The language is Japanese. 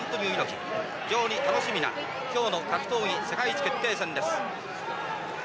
非常に楽しみな今日の格闘技世界一決定戦です。